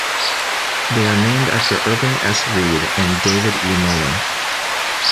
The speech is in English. They are named after Irving S. Reed and David E. Muller.